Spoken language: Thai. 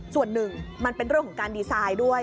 ส่วนหนึ่งมันเป็นเรื่องของการดีไซน์ด้วย